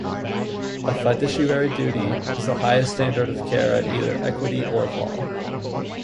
A fiduciary duty, is the highest standard of care at either equity or law.